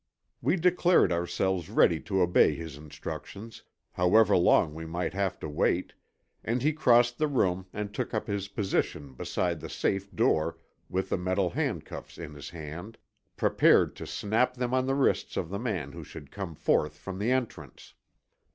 We declared ourselves ready to obey his instructions, however long we might have to wait, and he crossed the room and took up his position beside the safe door with the metal handcuffs in his hand, prepared to snap them on the wrists of the man who should come forth from the entrance.